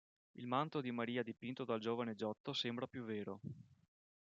Il manto di Maria dipinto dal giovane Giotto sembra più vero.